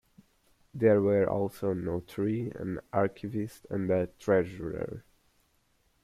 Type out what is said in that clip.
There were also a notary, an archivist and a treasurer.